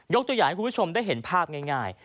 ตัวอย่างให้คุณผู้ชมได้เห็นภาพง่าย